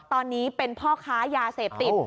ตอนนี้เป็นพ่อค้ายาเสพติด